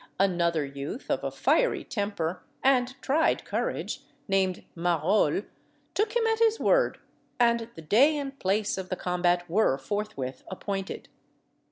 Another youth, of a fiery temper and tried courage, named Marolles, took him at his word, and the day and place of the combat were forthwith appointed.